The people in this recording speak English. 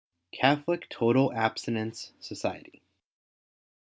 Catholic Total Abstinence Society.